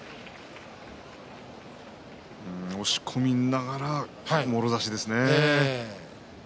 押し込みながらもろ差しですね。